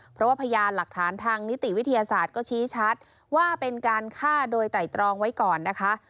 เพราะว่าพยานหลักฐานทางนิติวิทยาศาสตร์ก็ชี้ชัดว่าเป็นการฆ่าโดยไตรตรองไว้ก่อนนะคะ